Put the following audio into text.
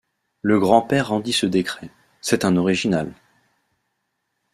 Le grand-père rendit ce décret: — C’est un original.